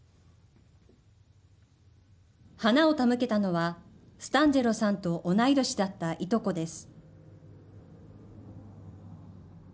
花を手向けたのはスタンジェロさんと同い年だったいとこです。